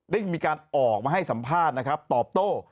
ได้มีการออกมาให้สัมภาษณ์นะครับตอบโต้